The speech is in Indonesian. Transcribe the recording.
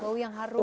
bau yang harum